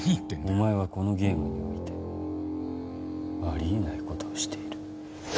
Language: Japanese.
お前はこのゲームにおいてあり得ないことをしている。